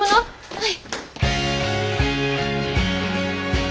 はい！